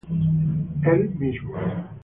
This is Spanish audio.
Él mismo.